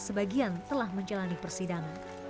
sebagian telah menjalani persidangan